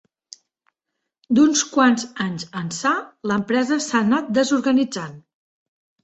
D'uns quants anys ençà, l'empresa s'ha anat desorganitzant.